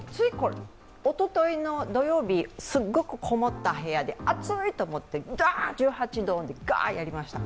おとといの土曜日、すごくこもった部屋で暑いと思って、１８度でガーッとやりました。